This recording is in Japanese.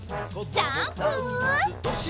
ジャンプ！